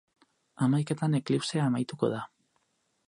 Hamaiketan eklipsea amaituko da.